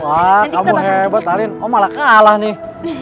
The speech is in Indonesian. wah kamu hebat talin oh malah kalah nih